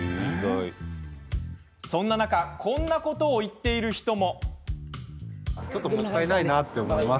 そんな中こんなことを言っている人も。